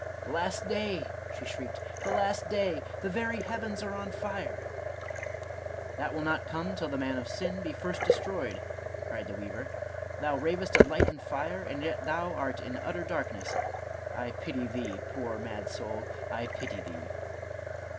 —" The last day," she shrieked, " The last day I The very heavens are on fire !"—" That will not come till the Man of Sin be first destroyed," cried the weaver; " thou ravest of light and fire, and yet thou art in utter darkness. — I pity thee, poor mad soul, I pity thee